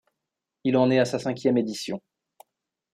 Il en est à sa cinquième édition.